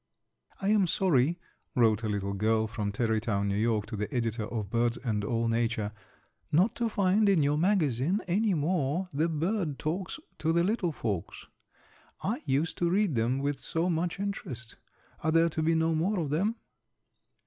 "I am so sorry," wrote a little girl from Tarrytown, N. Y., to the editor of BIRDS AND ALL NATURE, "not to find in your magazine any more the bird talks to the little folks. I used to read them with so much interest. Are there to be no more of them?"